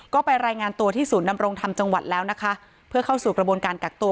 ก็ไปรายงานตัวที่ศูนย์ดำรงธรรมจังหวัดแล้วนะคะเพื่อเข้าสู่กระบวนการกักตัว